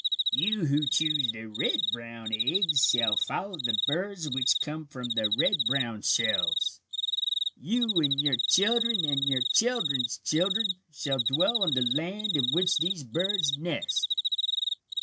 "You who choose the red brown eggs shall follow the birds which come from the red brown shells. You and your children and your children's children shall dwell in the land in which these birds nest!"